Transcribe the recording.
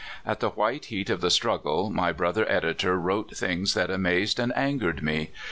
At the white heat of the struggle my brother editor wrote things that amazed and angered me.